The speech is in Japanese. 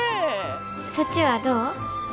そっちはどう？